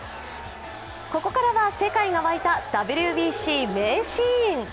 ここからは、世界が沸いたＷＢＣ名シーン。